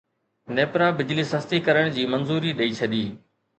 نيپرا بجلي سستي ڪرڻ جي منظوري ڏئي ڇڏي